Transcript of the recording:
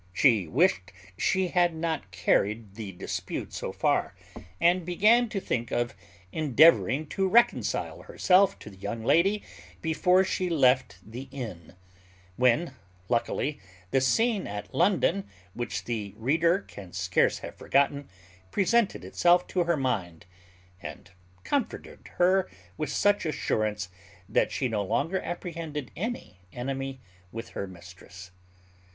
She wished she had not carried the dispute so far, and began to think of endeavouring to reconcile herself to the young lady before she left the inn; when, luckily, the scene at London, which the reader can scarce have forgotten, presented itself to her mind, and comforted her with such assurance, that she no longer apprehended any enemy with her mistress.